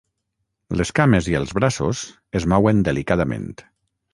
Les cames i els braços es mouen delicadament.